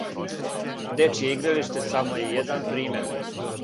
Дечје игралиште само је један пример.